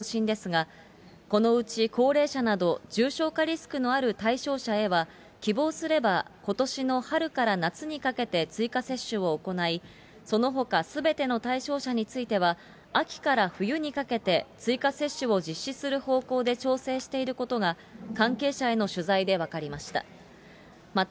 臨時接種を４月以降も継続する方針ですが、このうち高齢者など、重症化リスクのある対象者へは、希望すれば、ことしの春から夏にかけて追加接種を行い、そのほかすべての対象者については、秋から冬にかけて追加接種を実施する方向で調整していることが、関係者への取材で分かりました。